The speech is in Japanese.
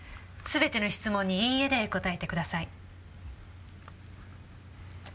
全ての質問に「いいえ」で答えてください。